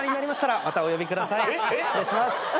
失礼します。